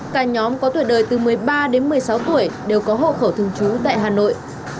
cả nhóm có tuổi đời từ một mươi ba đến một mươi sáu tuổi đều có hộ khẩu thường trú tại hà nội